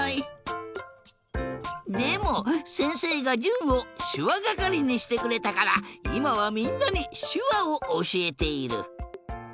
でもせんせいがじゅんをしゅわがかりにしてくれたからいまはみんなにしゅわをおしえている。